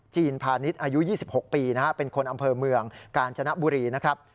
พาณิชย์อายุ๒๖ปีนะฮะเป็นคนอำเภอเมืองกาญจนบุรีนะครับ